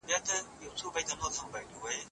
ده د ونو او نباتاتو ساتنه جدي نیولې وه.